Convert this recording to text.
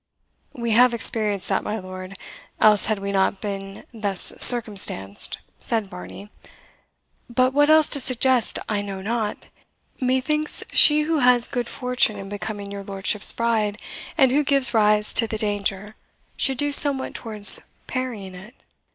"We have experienced that, my lord, else had we not been thus circumstanced," said Varney. "But what else to suggest I know not. Methinks she whose good fortune in becoming your lordship's bride, and who gives rise to the danger, should do somewhat towards parrying it."